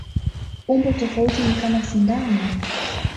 Umbo tofauti ni kama sindano.